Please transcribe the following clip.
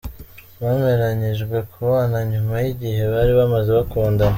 Bemeranyijwe kubana nyuma y'igihe bari bamaze bakundana.